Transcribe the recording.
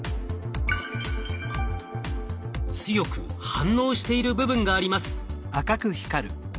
強く反応している部分があります。